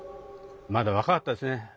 まだ若かったですね。